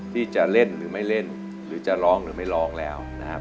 ที่จะเล่นหรือไม่เล่นหรือจะร้องหรือไม่ร้องแล้วนะครับ